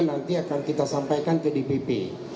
nanti akan kita sampaikan ke dpp